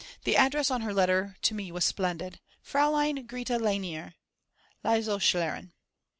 The address on her letter to me was splendid, "Fraulein Grete Lainer, Lyzealschulerin."